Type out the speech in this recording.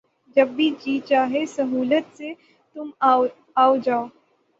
جب بھی جی چاہے سہولت سے تُم آؤ جاؤ